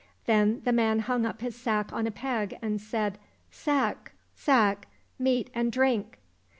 Then the man hung up his sack on a peg and said, " Sack, sack, meat and drink